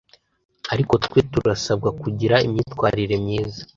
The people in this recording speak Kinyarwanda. ariko twe turasabwa kugira imyitwarire myiza